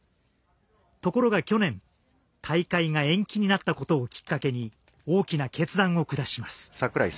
ところが去年大会が延期になったことをきっかけに大きな決断を下します。